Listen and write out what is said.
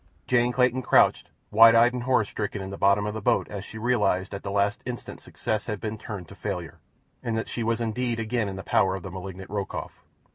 Jane Clayton crouched, wide eyed and horror stricken, in the bottom of the boat as she realized that at the last instant success had been turned to failure, and that she was indeed again in the power of the malignant Rokoff.